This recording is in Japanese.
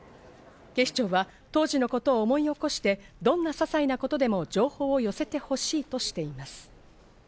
警視庁は当時のことを思い起こして、どんなささいなことでも情報を寄せて欲しいとしています。